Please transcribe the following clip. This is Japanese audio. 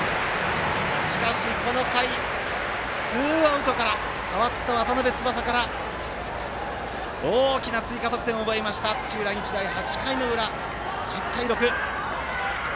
しかし、この回、ツーアウトから代わった渡邉翼から大きな追加得点を奪いました土浦日大、８回の裏、１０対６。